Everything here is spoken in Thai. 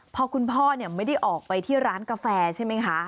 พอคุณพ่อไม่ได้ออกไปที่ร้านกาแฟใช่ไหมคะ